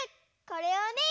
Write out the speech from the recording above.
これをね